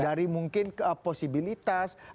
dari mungkin ke posibilitas